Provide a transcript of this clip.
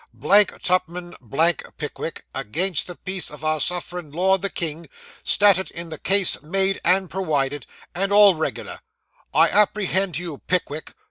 Blank Tupman, blank Pickwick against the peace of our sufferin' lord the king stattit in the case made and purwided and all regular. I apprehend you Pickwick!